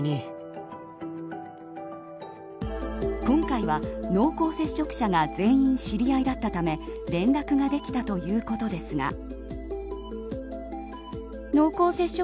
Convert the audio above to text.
今回は濃厚接触者が全員、知り合いだったため連絡ができたということですが。